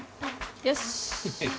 よし。